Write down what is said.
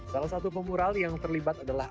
salah satu pemural yang terlibat adalah